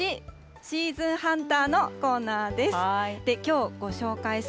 シーズンハンターのコーナーです。